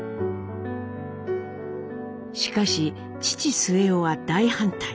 しかし父末男は大反対。